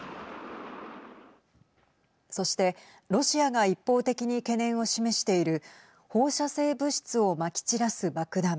そして、ロシアが一方的に懸念を示している放射性物質をまき散らす爆弾